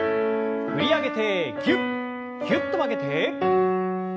振り上げてぎゅっぎゅっと曲げて。